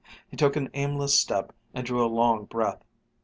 He took an aimless step and drew a long breath.